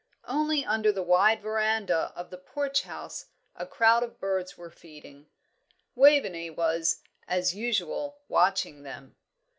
Only under the wide verandah of the Porch House a crowd of birds were feeding. Waveney was, as usual, watching them.